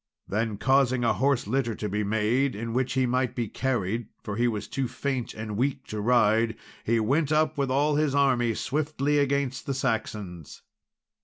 Then causing a horse litter to be made, in which he might be carried for he was too faint and weak to ride he went up with all his army swiftly against the Saxons.